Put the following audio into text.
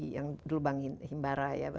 yang dulu bang himbara ya